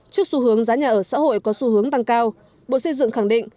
trước xu hướng giá nhà ở xã hội có xu hướng tăng cao bộ xây dựng khẳng định